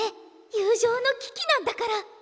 友情の危機なんだから。